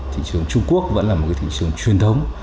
thị trường trung quốc vẫn là một cái thị trường truyền thống